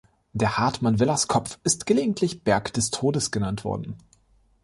Der Hartmannswillerkopf ist gelegentlich „Berg des Todes“ genannt worden.